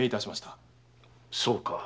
そうか。